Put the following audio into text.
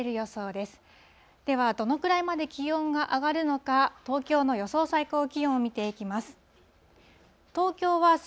では、どのくらいまで気温が上がるのか、東京の予想最高気温を見ていきます。